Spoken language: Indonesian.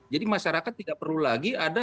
jadi masyarakat tidak perlu lagi ada